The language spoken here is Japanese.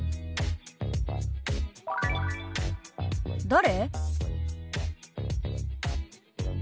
「誰？」。